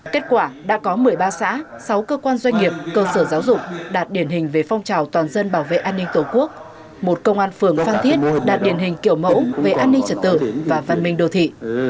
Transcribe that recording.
kết quả đã có một mươi ba xã sáu cơ quan doanh nghiệp cơ sở giáo dục đạt điển hình về phong trào toàn dân bảo vệ an ninh tổ quốc một công an phường phan thiết đạt điển hình kiểu mẫu về an ninh trật tự và văn minh đô thị